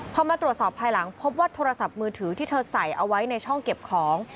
พอมาตรวจสอบภายหลังพบว่าโทรศัพท์มือถือที่เธอใส่เอาไว้ในช่องเก็บของ